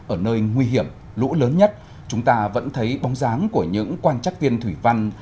ở nơi nguy hiểm lũ lớn nhất chúng ta vẫn thấy bóng dáng của những quan trắc viên thủy văn